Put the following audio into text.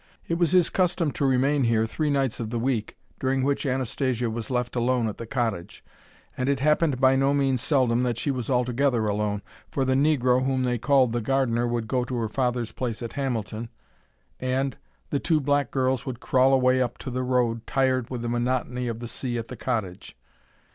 It was his custom to remain here three nights of the week, during which Anastasia was left alone at the cottage; and it happened by no means seldom that she was altogether alone, for the negro whom they called the gardener would go to her father's place at Hamilton, and the two black girls would crawl away up to the road, tired with the monotony of the sea at the cottage.